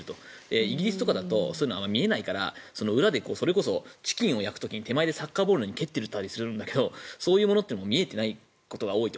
イギリスとかだとそういうのが見えないから裏でそれこそチキンを焼く時に手前でサッカーボールを蹴っていたりするんだけどそういうものも見えていないことが多いと。